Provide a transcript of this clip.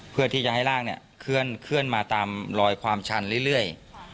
เพื่อที่จะให้ร่างเนี่ยเคลื่อนมาตามลอยความชันเรื่อย